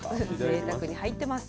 ぜいたくに入ってます。